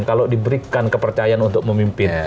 kalau diberikan kepercayaan untuk memimpin